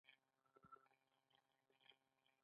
ناپوهي د وېرې سرچینه ده.